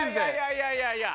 いやいやいや